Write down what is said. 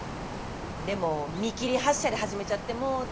でも見切り発車で始めちゃってもう大変。